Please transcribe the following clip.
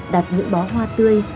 đặt những bó hoa tươi